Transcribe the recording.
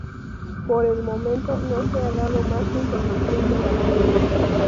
Por el momento no se ha dado más información de la banda.